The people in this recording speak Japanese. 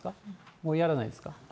もうやらないんですか？